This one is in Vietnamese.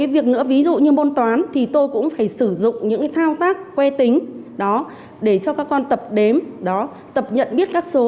ví dụ như môn toán thì tôi cũng phải sử dụng những cái thao tác que tính đó để cho các con tập đếm tập nhận biết các số